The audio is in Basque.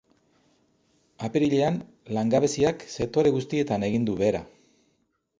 Apirilean, langabeziak sektore guztietan egin du behera.